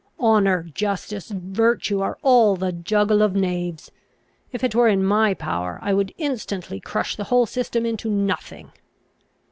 Honour, justice, virtue, are all the juggle of knaves! If it were in my power I would instantly crush the whole system into nothing!"